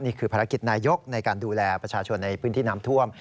นี่คือภารกิจนายกในการดูแลประชาชนในพื้นที่น้ำท่วม